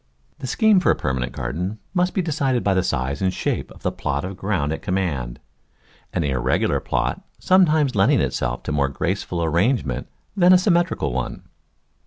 The scheme for a permanent garden must be de cided by the size and shape of the plot of ground at command, an irregular plot sometimes lending itself to more graceful arrangement than a symmetrical one.